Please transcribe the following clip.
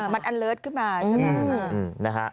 มันอัลเลิศขึ้นมาใช่ไหม